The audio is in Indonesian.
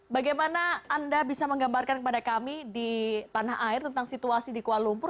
bagaimana anda bisa menggambarkan kepada kami di tanah air tentang situasi di kuala lumpur